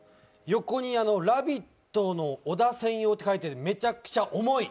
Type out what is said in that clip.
横に「ラヴィット！」の小田専用と書いてあってめちゃくちゃ重い。